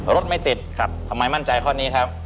รถไม่ติดทำไมมั่นใจข้อนี้ครับ